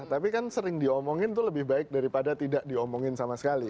tapi kan sering diomongin itu lebih baik daripada tidak diomongin sama sekali